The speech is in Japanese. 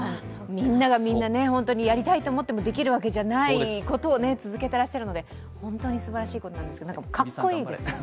みんながみんな、やりたいと思ってもできるわけじゃないことを続けてらっしゃるので本当にすばらしいことなんですけど、かっこいいですよね。